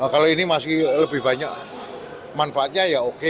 kalau ini masih lebih banyak manfaatnya ya oke